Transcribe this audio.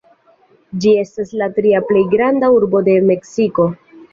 Ĝi estas la tria plej granda urbo de Meksiko.